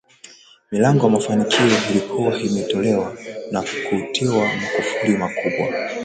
Milango ya mafanikio ilikuwa imekomelewa na kutiwa makufuli makubwa